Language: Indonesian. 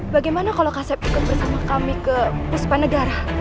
bagaimana kalau kasep ikut bersama kami ke puspa negara